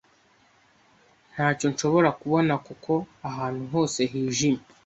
Ntacyo nshobora kubona kuko ahantu hose hijimye.